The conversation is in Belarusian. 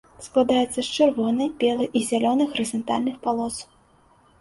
Складаецца з чырвонай, белай і зялёнай гарызантальных палос.